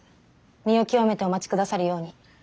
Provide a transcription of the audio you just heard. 身を清めてお待ち下さるように。